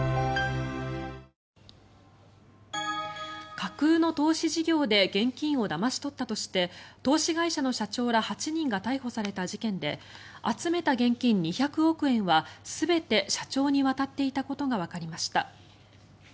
架空の投資事業で現金をだまし取ったとして投資会社の社長ら８人が逮捕された事件で集めた現金２００億円は全て社長に渡っていたことがわかりました。